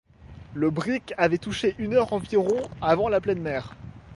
Le brick avait touché une heure environ avant la pleine mer.